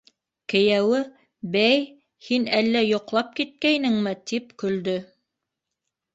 Кейәүе: - Бәй, һин әллә йоҡлап киткәйнеңме? - тип көлдө.